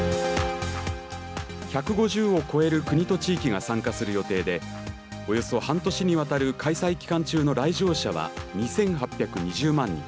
１５０を超える国と地域が参加する予定でおよそ半年にわたる開催期間中の来場者は２８２０万人。